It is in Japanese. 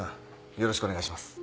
よろしくお願いします。